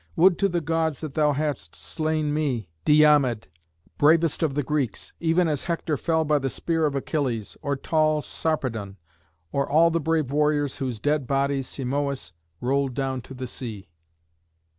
Would to the Gods that thou hadst slain me, Diomed, bravest of the Greeks, even as Hector fell by the spear of Achilles, or tall Sarpedon, or all the brave warriors whose dead bodies Simoïs rolled down to the sea!"